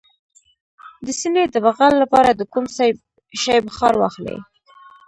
د سینې د بغل لپاره د کوم شي بخار واخلئ؟